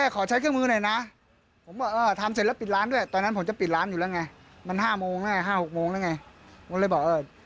เขามาทำอะไรนะมาทำอะไร